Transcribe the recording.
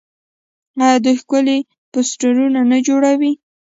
آیا دوی ښکلي پوسټرونه نه جوړوي؟